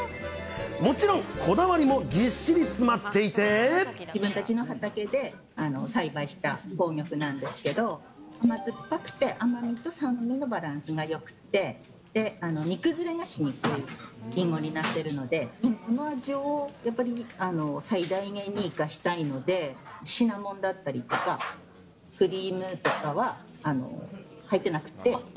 もちろん、こだわりもぎっし自分たちの畑で栽培した紅玉なんですけど、甘酸っぱくて、甘みと酸味のバランスがよくて、で、煮崩れがしにくいりんごになっているので、この味をやっぱり最大限に生かしたいので、シナモンだったりとか、クリームとかは入ってなくって。